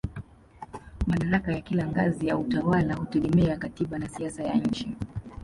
Madaraka ya kila ngazi ya utawala hutegemea katiba na siasa ya nchi.